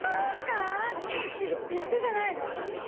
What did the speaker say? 一緒じゃないです。